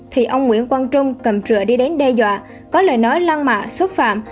thì ông nguyễn quang trung cầm rửa đi đến đe dọa có lời nói lan mạ xốt phạm